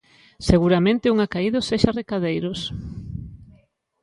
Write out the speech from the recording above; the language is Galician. Seguramente un acaído sexa recadeiros.